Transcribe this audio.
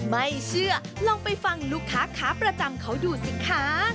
ไม่เชื่อลองไปฟังลูกค้าขาประจำเขาดูสิคะ